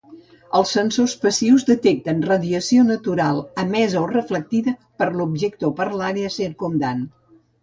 Els sensors passius detecten radiació natural emesa o reflectida per l'objecte o per l'àrea circumdant.